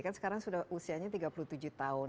kan sekarang sudah usianya tiga puluh tujuh tahun